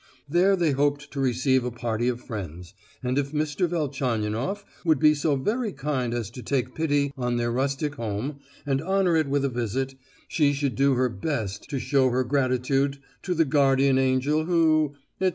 There they hoped to receive a party of friends, and if Mr. Velchaninoff would be so very kind as to take pity on their rustic home, and honour it with a visit, she should do her best to show her gratitude to the guardian angel who, etc.